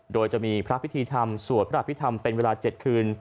โดยจะมีพระพิธีธรรมสวดพระอภิษฐรรมเป็นเวลา๗คืน